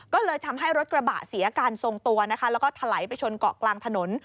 ก็เลยทำให้รถกระบะเสียการทรงตัวนะคะแล้วก็ถลายไปชนเกาะกลางถนน